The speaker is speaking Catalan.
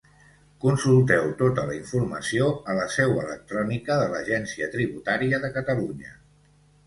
Consulteu tota la informació a la seu electrònica de l'Agència Tributària de Catalunya.